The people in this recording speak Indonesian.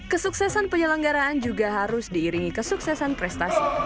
kesuksesan penyelenggaraan juga harus diiringi kesuksesan prestasi